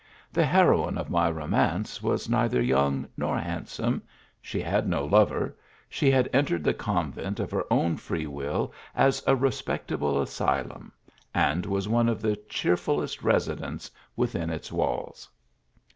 The heioine of my romance was neither young nor hand some she had no love she had entered the con vent of her own free will, as a respectable asylum, and was one of the cheerfulest residents within its walls